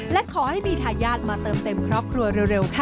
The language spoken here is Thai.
และขอให้มีทายาทมาเติมเต็มครอบครัวเร็วค่ะ